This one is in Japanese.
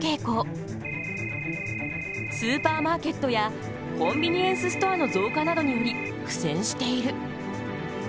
スーパーマーケットやコンビニエンスストアの増加などにより苦戦している。